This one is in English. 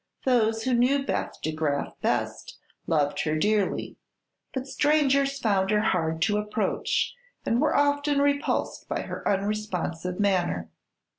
Those who knew Beth De Graf best loved her dearly, but strangers found her hard to approach and were often repulsed by her unresponsive manner.